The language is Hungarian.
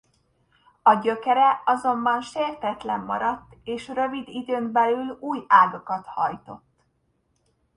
A gyökere azonban sértetlen maradt és rövid időn belül új ágakat hajtott.